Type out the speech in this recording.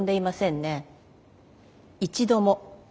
一度も。